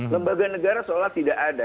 lembaga negara seolah tidak ada